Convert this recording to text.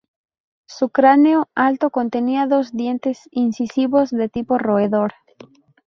Su cráneo, alto, contenía dos dientes incisivos de tipo roedor.